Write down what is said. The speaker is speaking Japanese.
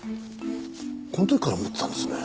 この時から持ってたんですね。